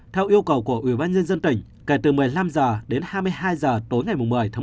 theo yêu cầu của ubnd tỉnh kể từ một mươi năm h đến hai mươi hai h tối ngày một mươi